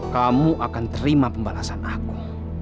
kamu akan terima pembalasan aku